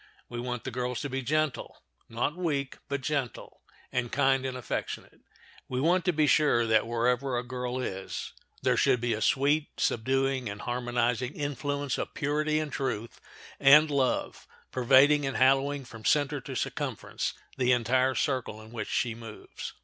We want the girls to be gentle—not weak, but gentle—and kind and affectionate. We want to be sure that wherever a girl is there should be a sweet, subduing, and harmonizing influence of purity and truth and love pervading and hallowing from center to circumference the entire circle in which she moves.